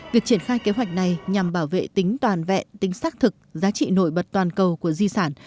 việc triển khai kế hoạch này nhằm bảo vệ tính toàn vẹn tính xác thực giá trị nổi bật toàn cầu của di sản